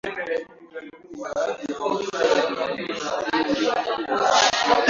Kutoka manyoya katika sehemu za ngozi zilizoathirika